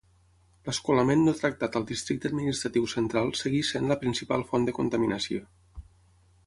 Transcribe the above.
L'escolament no tractat al Districte Administratiu Central segueix sent la principal font de contaminació.